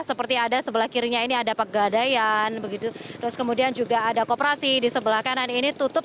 seperti ada sebelah kirinya ini ada pegadaian begitu terus kemudian juga ada kooperasi di sebelah kanan ini tutup